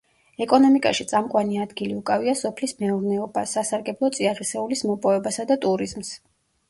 ეკონომიკაში წამყვანი ადგილი უკავია სოფლის მეურნეობას, სასარგებლო წიაღისეულის მოპოვებასა და ტურიზმს.